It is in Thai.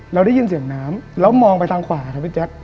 เราได้ยินเสียงน้ำแล้วมองไปทางขวาครับพี่แจ๊ค